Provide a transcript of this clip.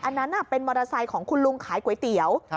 อันนั้นเป็นมอเตอร์ไซค์ของคุณลุงขายก๋วยเตี๋ยว